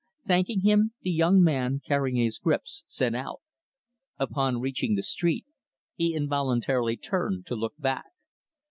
Thanking him, the young man, carrying his grips, set out. Upon reaching the street, he involuntarily turned to look back.